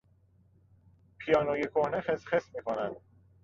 پیانوی کهنه خسخس میکند.